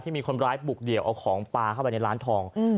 มีคนร้ายบุกเดี่ยวเอาของปลาเข้าไปในร้านทอง